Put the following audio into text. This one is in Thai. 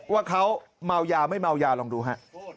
ว่าเขาเมายาไม่เมายาลองดูฮะ